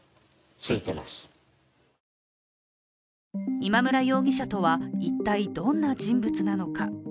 今村容疑者とは一体どんな人物なのか。